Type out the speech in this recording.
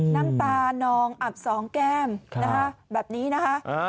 น้ำตานองอับสองแก้มนะคะแบบนี้นะคะ